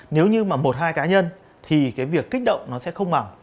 nếu như mà một hai cá nhân thì cái việc kích động nó sẽ không bằng